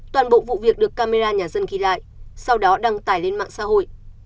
toàn bộ vụ việc được camera nhà dân ghi lại sau đó đăng tải lên mạng xã hội